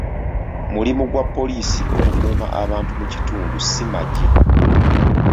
Mulimu gwa poliisi okukuuma abantu mu kitundu si magye.